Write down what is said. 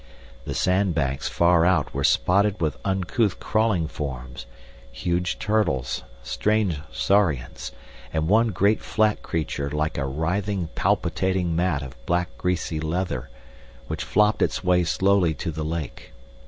The sand banks far out were spotted with uncouth crawling forms, huge turtles, strange saurians, and one great flat creature like a writhing, palpitating mat of black greasy leather, which flopped its way slowly to the lake.